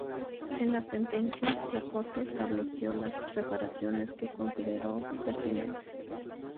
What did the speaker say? En la sentencia, la Corte estableció las reparaciones que consideró pertinentes".